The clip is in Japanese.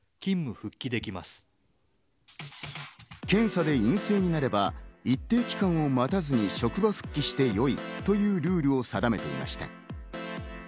検査で陰性になれば一定期間を待たずに職場復帰して良いというルールを定めていました。